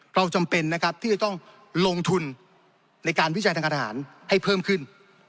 จำเป็นนะครับที่จะต้องลงทุนในการวิจัยทางการทหารให้เพิ่มขึ้น